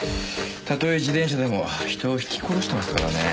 たとえ自転車でも人をひき殺してますからね。